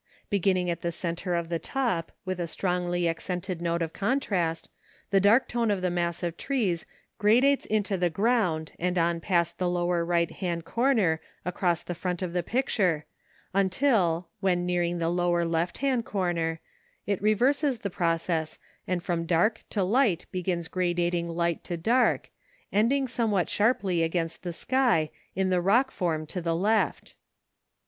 Beginning at the centre of the top with a strongly accented note of contrast, the dark tone of the mass of trees gradates into the ground and on past the lower right hand corner across the front of the picture, until, when nearing the lower left hand corner, it reverses the process and from dark to light begins gradating light to dark, ending somewhat sharply against the sky in the rock form to the left.